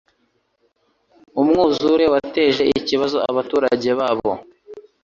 Umwuzure wateje ikibazo abaturage babo.